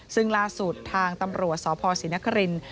ซึ่งล่าสุดทางตำรวจสพศรีนคริน